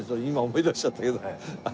今思い出しちゃったけど。